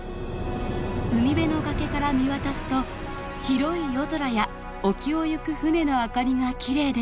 海辺の崖から見渡すと広い夜空や沖を行く船の明かりがきれいです。